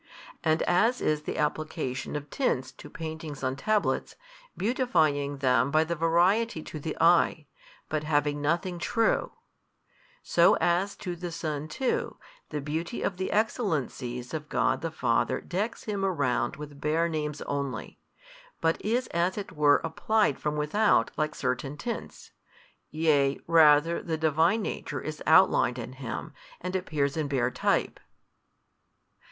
And as is the application of tints to paintings on tablets, beautifying them by the variety to the eye, but having nothing true: so as to the Son too, the beauty of the Excellencies of God the Father decks Him around with bare names only, but is as it were applied from without like certain tints: yea rather the Divine Nature is outlined in Him, and appears in bare type.